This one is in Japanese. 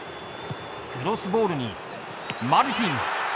クロスボールにマルティン。